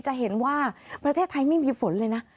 จะเห็นว่าประเทศไทยไม่มีฝนเลยนะ